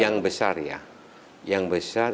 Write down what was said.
yang besar ya yang besar